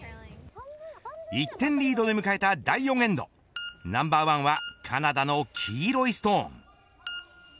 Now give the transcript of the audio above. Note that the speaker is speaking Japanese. １点リードで迎えた第４エンドナンバー１はカナダの黄色いストーン。